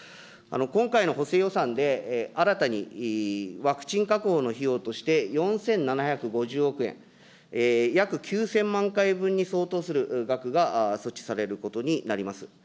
今回の補正予算で、新たにワクチン確保の費用として、４７５０億円、約９０００万回分に相当する額が措置されることになります。